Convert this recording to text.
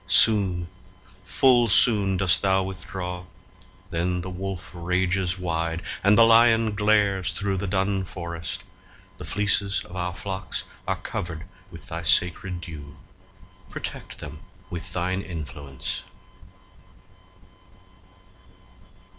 Soon, full soon, Dost thou withdraw; then the wolf rages wide, And the lion glares through the dun forest: The fleeces of our flocks are covered with Thy sacred dew; protect them with thine influence!